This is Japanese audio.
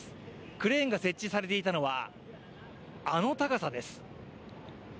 クレーンが設置されていたのはあの高さです。